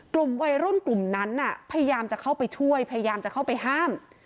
กลุ่มวัยรุ่นกลุ่มนั้นพยายามจะเข้าไปช่วยพยายามจะเข้าไปห้าม